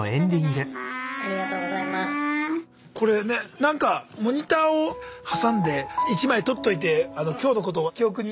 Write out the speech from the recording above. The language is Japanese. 「これねなんかモニターを挟んで一枚撮っといて今日のことを記憶に」。